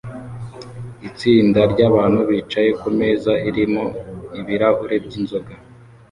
Itsinda ryabantu bicaye kumeza irimo ibirahure byinzoga